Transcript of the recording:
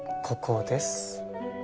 ここです。